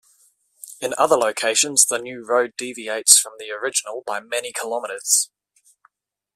In other locations the new road deviates from the original by many kilometres.